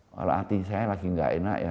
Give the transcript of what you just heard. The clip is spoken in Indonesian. kalau hati saya lagi nggak enak ya